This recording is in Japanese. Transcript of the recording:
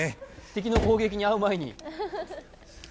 敵の攻撃に遭う前に。